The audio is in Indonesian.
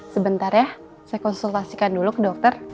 sebentar ya saya konsultasikan dulu ke dokter